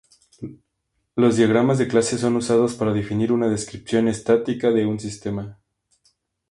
Los diagramas de clase son usados para definir una descripción estática de un sistema.